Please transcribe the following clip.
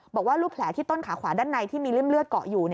บอกว่ารูปแผลที่ต้นขาขวาด้านในที่มีริ่มเลือดเกาะอยู่